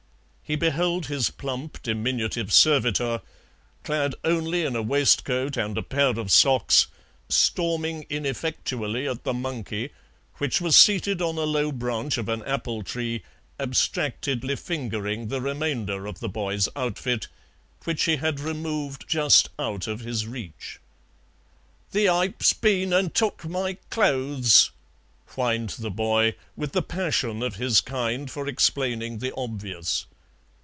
He beheld his plump diminutive servitor, clad only in a waistcoat and a pair of socks, storming ineffectually at the monkey which was seated on a low branch of an apple tree, abstractedly fingering the remainder of the boy's outfit, which he had removed just out of has reach. "The ipe's been an' took my clothes;" whined the boy, with the passion of his kind for explaining the obvious.